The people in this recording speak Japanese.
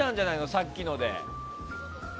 さっきので。